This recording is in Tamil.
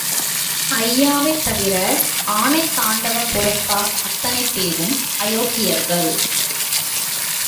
ஐயாவைத் தவிர ஆனைதாண்டவ புரத்தார் அத்தனை பேரும் அயோக்கியர்கள்.